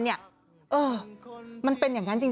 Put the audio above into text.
เออมันเป็นอย่างนั้นจริง